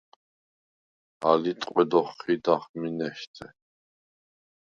ალი ტყვედ ოხჴიდახ მინეშთე.